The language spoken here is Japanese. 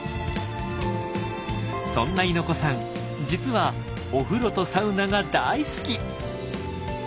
そんな猪子さん実はお風呂とサウナが大好き！